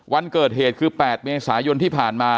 วันเกิดเหตุคือ๘ปี